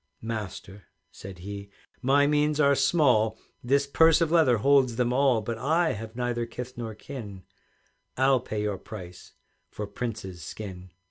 "Master," said he, "my means are small, This purse of leather holds them all; But I have neither kith nor kin, I'll pay your price for Prince's skin.